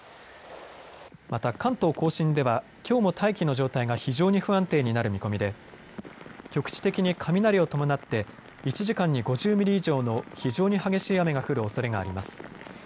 また関東甲信ではきょうも大気の状態が非常に不安定になる見込みで局地的に雷を伴って１時間に５０ミリ以上の非常に激しい雨が降るおそれがあります。